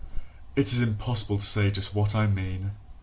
It is impossible to say just what I mean!